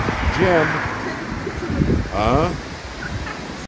"Jim!" "Huh?"